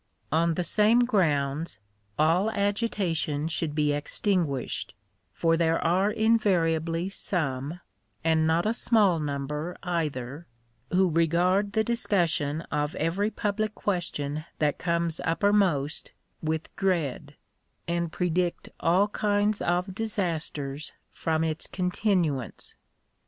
On the same grounds all agitation should be extinguished, for there are invariably some —and not a small number either— who regard the discussion of every public question that comes uppermost with dread, and predict all kinds of disasters from its continuance.